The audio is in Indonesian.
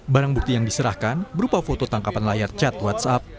barang bukti yang diserahkan berupa foto tangkapan layar chat whatsapp